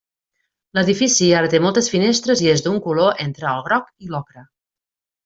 L'edifici ara té moltes finestres i és d'un color entre el groc i l'ocre.